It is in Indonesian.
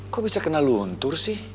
kok bisa kena luntur sih